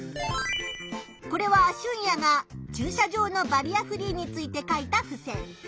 これはシュンヤが駐車場のバリアフリーについて書いたふせん。